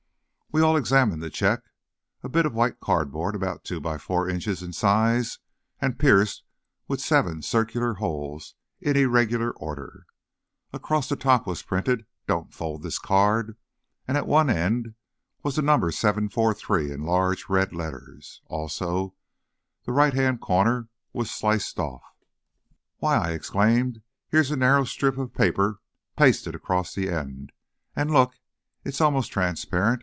We all examined the check. A bit of white cardboard, about two by four inches in size, and pierced with seven circular holes in irregular order. Across the top was printed "Don't fold this card," and at one end was the number 743 in large red letters. Also, the right hand upper corner was sliced off. "Why," I exclaimed, "here's a narrow strip of paper pasted across the end, and look, it's almost transparent!